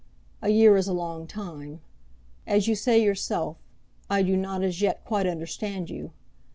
A year is a long time. As you say yourself, I do not as yet quite understand you.